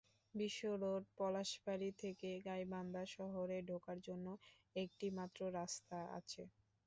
বিশ্বরোড পলাশবাড়ী থেকে গাইবান্ধা শহরে ঢোকার জন্য একটি মাত্র রাস্তা আছে।